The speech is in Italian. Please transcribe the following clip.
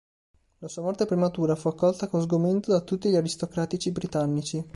La sua morte prematura fu accolta con sgomento da tutti gli aristocratici britannici.